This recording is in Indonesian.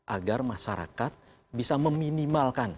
agar masyarakat bisa meminimalkan